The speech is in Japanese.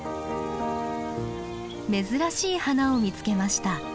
珍しい花を見つけました。